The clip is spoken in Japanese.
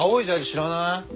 知らない？